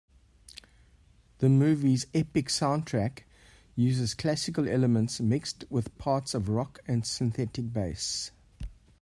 The movie's epic soundtrack uses classical elements mixed with parts of rock and synthetic bass.